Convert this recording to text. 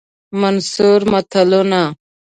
منثور متلونه